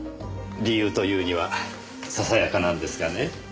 理由というにはささやかなんですがね。